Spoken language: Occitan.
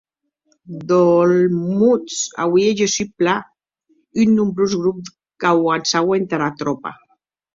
D’Olmutz, auie gessut, plan, un nombrós grop qu’auançaue entara tropa.